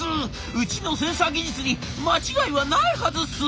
うちのセンサー技術に間違いはないはずっす！」。